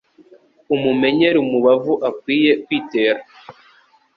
Umumenyere umubavu akwiye kwitera,